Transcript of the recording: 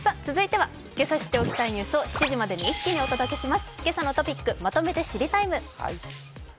続いては今朝知っておきたいニュースを７時までに一気にお届けします。